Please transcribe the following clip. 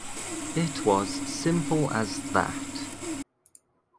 It was simple as that.